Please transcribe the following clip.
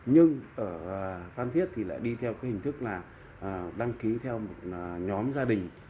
nhưng ở phan thiết thì lại đi theo hình thức là đăng ký theo nhóm gia đình